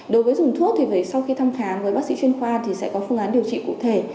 đối với dùng thuốc thì sau khi thăm khám với bác sĩ chuyên khoa thì sẽ có phương án điều trị cụ thể